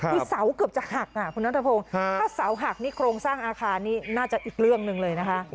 คือเสาเกือบจะหักคุณนัทพงศ์ถ้าเสาหักนี่โครงสร้างอาคารนี่น่าจะอีกเรื่องหนึ่งเลยนะคะ